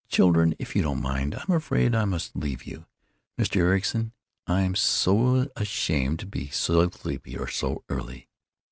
Children, if you don't mind, I'm afraid I must leave you. Mr. Ericson, I'm so ashamed to be sleepy so early.